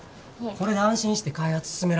これで安心して開発進められるわ。